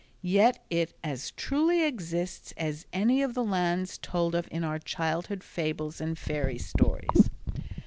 Yet it as truly exists as any of the lands told of in our childhood fables and fairy stories.